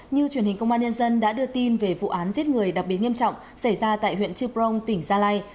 như truyền hình công an nhân dân đã đưa tin về vụ án giết người đặc biệt nghiêm trọng xảy ra tại huyện trư prong tỉnh gia lai